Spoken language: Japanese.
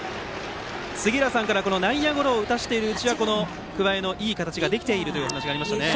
杉浦さんから内野ゴロを打たせているうちは桑江のいい形ができているというお話がありましたね。